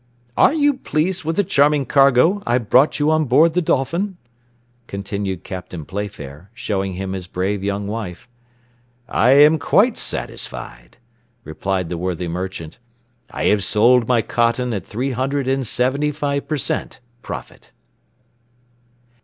"Are you pleased with the charming cargo I brought you on board the Dolphin?" continued Captain Playfair, showing him his brave young wife. "I am quite satisfied," replied the worthy merchant; "I have sold my cotton at three hundred and seventy five per cent. profit."